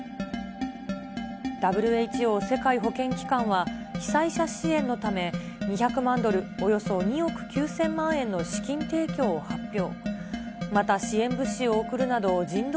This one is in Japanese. ＷＨＯ・世界保健機関は被災者支援のため、２００万ドルおよそ２億９０００万円の資金提供を発表。